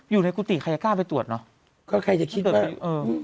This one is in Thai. อยู่ในกุฏิใครจะก้าวไปตรวจหรอเค้าใครจะคิดแบบเออ